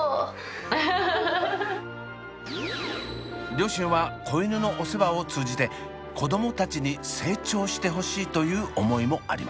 両親は子犬のお世話を通じて子どもたちに成長してほしいという思いもあります。